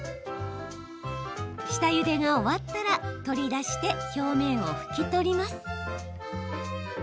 下ゆでが終わったら取り出して表面を拭き取ります。